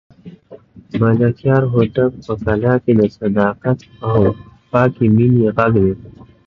د ملکیار هوتک په کلام کې د صداقت او پاکې مینې غږ دی.